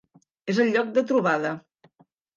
És el lloc de trobada.